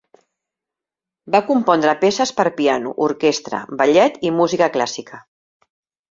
Va compondre peces per a piano, orquestra, ballet i música clàssica.